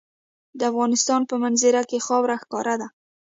د افغانستان په منظره کې خاوره ښکاره ده.